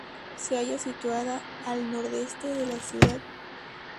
Se halla situada al Nordeste de la ciudad.